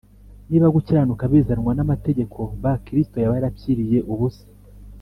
niba gukiranuka bizanwa n amategeko b Kristo yaba yarap riye ubusa